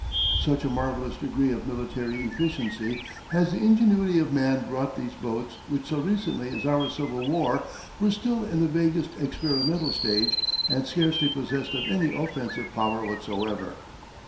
To such a marvellous degree of military efficiency has the ingenuity of man brought these boats which so recently as our Civil War were still in the vaguest experimental stage and scarcely possessed of any offensive power whatsoever!